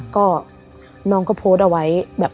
ก็น้องก็โพสต์เอาไว้แบบ